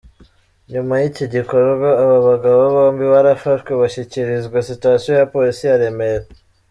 Nyuma y’iki gikorwa, aba bagabo bombi barafashwe, bashyikirizwa sitasiyo ya Polisi ya Remera.